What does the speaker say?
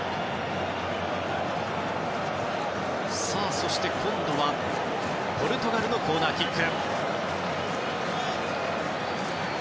そして今度はポルトガルのコーナーキック。